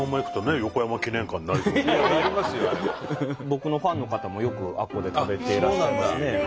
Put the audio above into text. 僕のファンの方もよくあっこで食べてらっしゃいますね。